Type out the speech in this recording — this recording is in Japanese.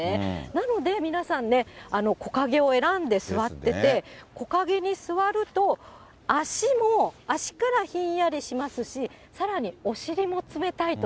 なので皆さんね、木陰を選んで座ってて、木陰に座ると、足も、足からひんやりしますし、さらにお尻も冷たいと。